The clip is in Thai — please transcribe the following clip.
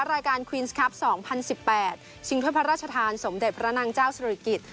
รายการควีนส์คลับสองพันสิบแปดชิงเทพรรภรรรชฐานสมเด็จพระนางเจ้าศริกิจ